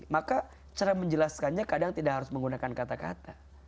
maka cara menjelaskannya kadang tidak harus menggunakan kata kata